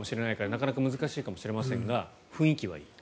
なかなか難しいかもしれませんが雰囲気はいいと。